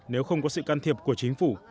nếu không có sự can thiệp của chính phủ